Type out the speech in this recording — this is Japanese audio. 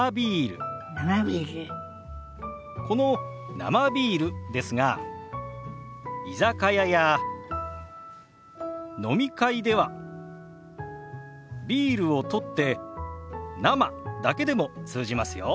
この「生ビール」ですが居酒屋や飲み会では「ビール」を取って「生」だけでも通じますよ。